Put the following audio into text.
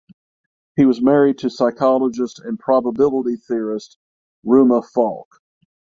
He was married to psychologist and probability theorist Ruma Falk.